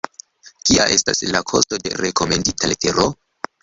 Kia estas la kosto de rekomendita letero?